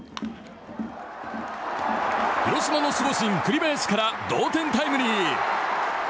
広島の守護神・栗林から同点タイムリー。